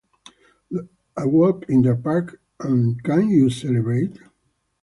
A Walk in the Park and Can You Celebrate?